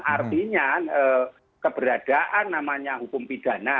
artinya keberadaan namanya hukum pidana